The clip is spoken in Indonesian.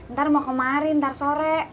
ntar mau kemarin ntar sore